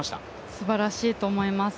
すばらしいと思います。